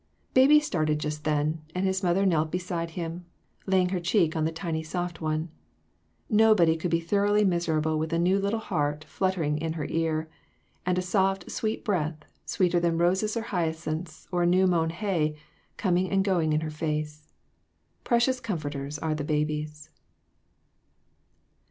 Baby started just then, and his mother knelt beside him, laying her cheek to the tiny soft one. Nobody could be thoroughly miserable with a new little heart fluttering in her ear, and a soft, sweet breath, sweeter than roses or hyacinths or new mown hay, coming and going in her face. Pre cious comforters are the babies